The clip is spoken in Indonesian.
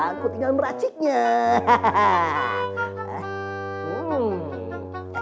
aku tinggal meraciknya hehehe